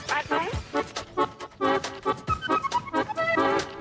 พี่นั้นเลย